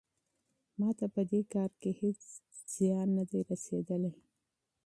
ما ته په دې کار کې هیڅ زیان نه دی رسیدلی.